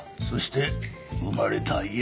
そして生まれた家だ。